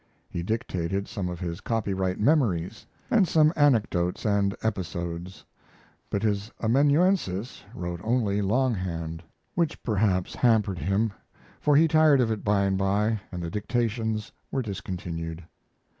He dictated some of his copyright memories, and some anecdotes and episodes; but his amanuensis wrote only longhand, which perhaps hampered him, for he tired of it by and by and the dictations were discontinued.